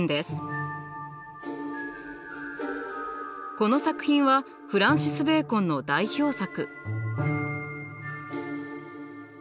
この作品はフランシス・ベーコンの代表作。